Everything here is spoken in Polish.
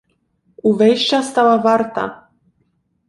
"U wejścia stała warta."